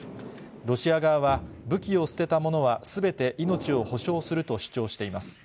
ロシア側は、武器を捨てたものはすべて命を保証すると主張しています。